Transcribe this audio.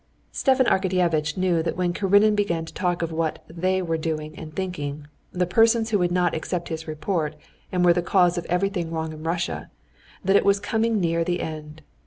Stepan Arkadyevitch knew that when Karenin began to talk of what they were doing and thinking, the persons who would not accept his report and were the cause of everything wrong in Russia, that it was coming near the end.